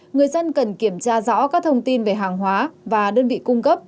người dân cần kiểm tra rõ các thông tin về hàng hóa và đơn vị cung cấp